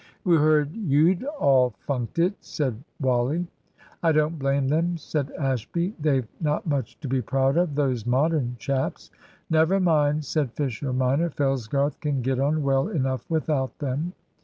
"We heard you'd all funked it," said Wally. "I don't blame them," said Ashby; "they've not much to be proud of, those Modern chaps." "Never mind," said Fisher minor, "Fellsgarth can get on well enough without them."